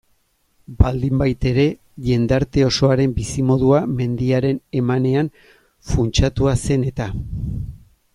Baldinbaitere, jendarte osoaren bizimodua mendiaren emanean funtsatua zen eta.